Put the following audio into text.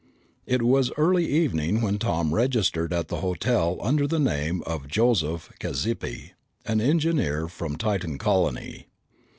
It was early evening when Tom registered at the hotel under the name of Joseph Cazippi, an engineer from Titan Colony.